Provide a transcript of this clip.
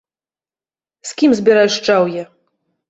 З кім збіраць шчаўе?